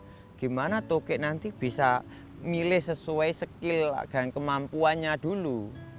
bagaimana tukik nanti bisa memilih sesuai kemampuannya dulu